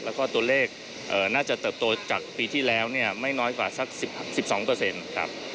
แล้วก็ตัวเลขน่าจะเติบโตจากปีที่แล้วไม่น้อยกว่าสัก๑๒เปอร์เซ็นต์ครับ